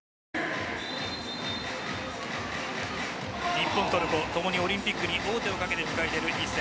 日本対トルコともにオリンピックに王手をかけて迎えている一戦。